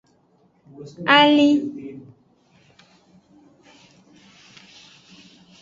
Alen.